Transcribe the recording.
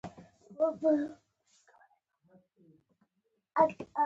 شپه هم تر نيمايي تېره وه.